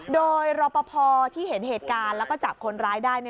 โดยรอปภที่เห็นเหตุการณ์แล้วก็จับคนร้ายได้